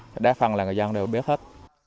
hoặc là người dân đều biết hết